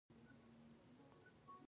بیا ئې د خپلې اوږې نه څادر کوز کړۀ ـ